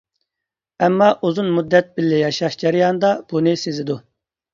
ئەمما ئۇزۇن مۇددەت بىللە ياشاش جەريانىدا بۇنى سېزىدۇ.